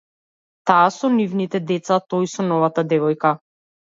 Таа со нивните деца, тој со новата девојка